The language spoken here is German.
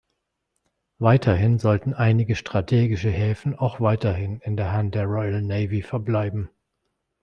Weiterhin sollten einige strategische Häfen auch weiterhin in der Hand der Royal Navy verbleiben.